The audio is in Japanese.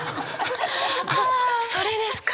それですか？